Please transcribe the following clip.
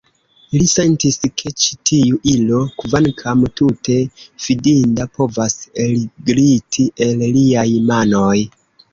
Li sentis, ke ĉi tiu ilo, kvankam tute fidinda, povas elgliti el liaj manoj.